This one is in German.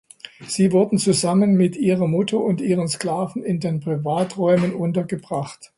Sie wurde zusammen mit ihrer Mutter und ihren Sklaven in den Privaträumen untergebracht.